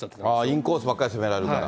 インコースばっかり攻められるから。